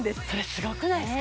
すごくないですか？